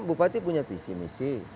bupati punya visi misi